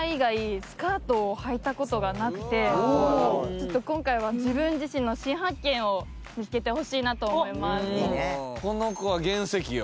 ちょっと今回は自分自身の新発見を見つけてほしいなと思います。